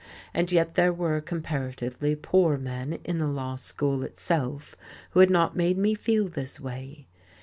And yet there were comparatively poor men in the Law School itself who had not made me feel this way!